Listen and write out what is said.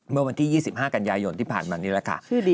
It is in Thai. เมื่อวันที่๒๕กันยายนที่ผ่านมานี่แหละค่ะ